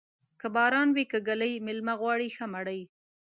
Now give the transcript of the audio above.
که باران وې که ږلۍ، مېلمه غواړي ښه مړۍ.